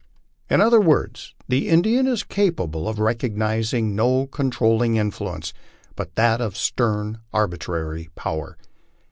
In other words, the Indian is capable of recognizing no controlling influence but that of stern arbitrary power.